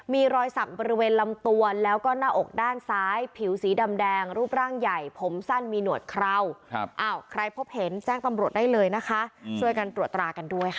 มีรอยสับบริเวณลำตวนแล้วก็หน้าอกด้านซ้ายผิวสีดำแดงรูปร่างใหญ่ผมสั้นมีหนวดเครา